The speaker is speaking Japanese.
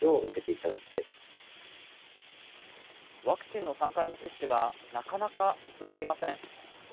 ワクチンの３回目接種がなかなか進んでいません。